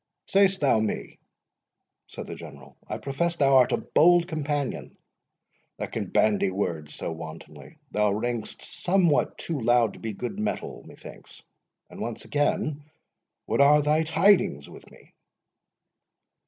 "Say'st thou me?" said the General; "I profess thou art a bold companion, that can bandy words so wantonly;—thou ring'st somewhat too loud to be good metal, methinks. And, once again, what are thy tidings with me?"